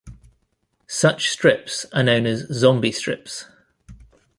Such strips are known as "zombie strips".